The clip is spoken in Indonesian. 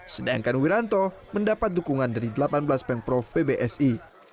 sedangkan wiranto mendapat dukungan dari delapan belas pemprov pbsi